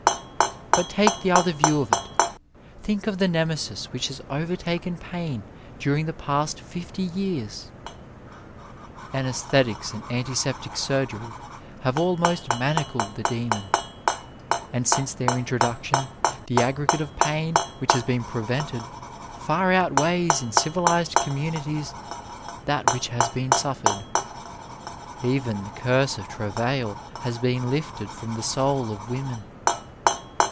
But take the other view of it — ^think of the Nemesis which has over taken pain during the past fifty years ! Anaesthetics and antiseptic sxsrgGry have almost manacled the demon, and since their introduction the aggregate of pain which has been prevented far outweighs in civilized communities that which has been suffered. Even the curse of travail has been lifted from the soul of women.